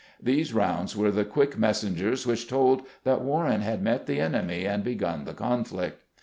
These sounds were the quick messengers which told that Warren had met the enemy and begun the conflict.